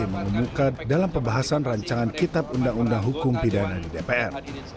mengemuka dalam pembahasan rancangan kitab undang undang hukum pidana di dpr